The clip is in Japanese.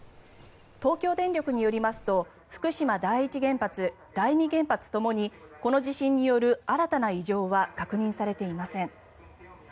東京電力によりますと福島第一原発、第二原発ともにこの地震による新たな異常は確認されていません。